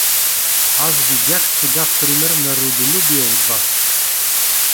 Аз видях сега пример на родолюбие от вас.